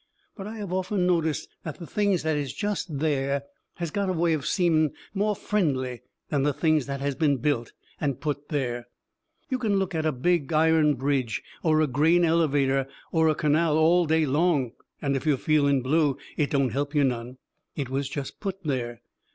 But I have often noticed that the things that is jest there has got a way of seeming more friendly than the things that has been built and put there. You can look at a big iron bridge or a grain elevator or a canal all day long, and if you're feeling blue it don't help you none. It was jest put there.